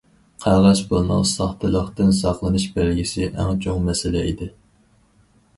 قەغەز پۇلنىڭ ساختىلىقتىن ساقلىنىش بەلگىسى ئەڭ چوڭ مەسىلە ئىدى.